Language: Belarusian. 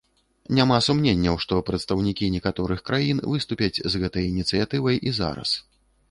Няма сумненняў, што прадстаўнікі некаторых краін выступяць з гэтай ініцыятывай і зараз.